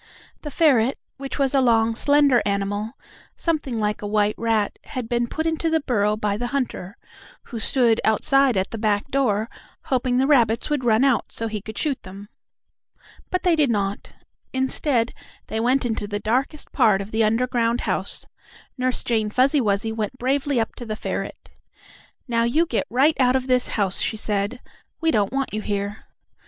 The ferret, which was a long, slender animal, something like a white rat, had been put into the burrow by the hunter, who stood outside at the back door, hoping the rabbits would run out so he could shoot them. But they did not. Instead, they went into the darkest part of the underground house. Nurse Jane Fuzzy Wuzzy went bravely up to the ferret. "Now you get right out of this house," she said. "We don't want you here!"